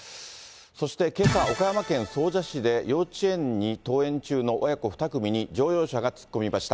そしてけさ、岡山県総社市で、幼稚園に登園中の親子２組に乗用車が突っ込みました。